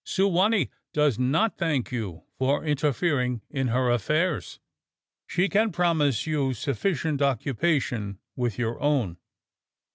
Su wa nee does not thank you for interfering in her affairs. She can promise you sufficient occupation with your own.